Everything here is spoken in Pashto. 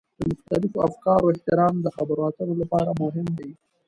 د مختلفو افکارو احترام د خبرو اترو لپاره مهم دی.